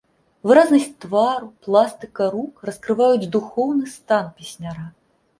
Выразнасць твару, пластыка рук раскрываюць духоўны стан песняра.